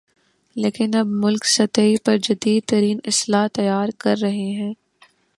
لیکن اب ملک سطحی پر جدیدترین اسلحہ تیار کررہے ہیں